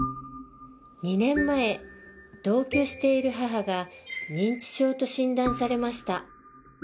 ２年前同居している母が認知症と診断されました。